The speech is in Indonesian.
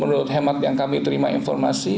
menurut hemat yang kami terima informasi